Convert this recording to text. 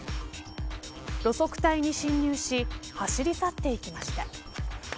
路側帯に侵入し走り去って行きました。